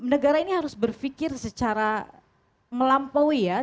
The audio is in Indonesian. negara ini harus berpikir secara melampaui ya